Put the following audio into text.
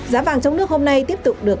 giá vàng trong nước hôm nay tiếp tục được